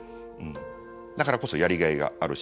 だからこそやりがいがあるし